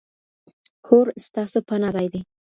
کور ستاسو پناه ځای دی.